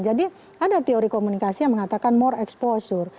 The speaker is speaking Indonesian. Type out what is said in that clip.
jadi ada teori komunikasi yang mengatakan more exposure